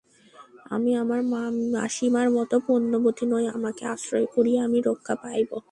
আমি আমার মাসিমার মতো পুণ্যবতী নই, তোমাকে আশ্রয় করিয়া আমি রক্ষা পাইব না।